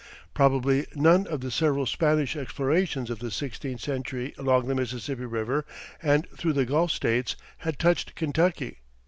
Probably none of the several Spanish explorations of the sixteenth century along the Mississippi River and through the Gulf States had touched Kentucky.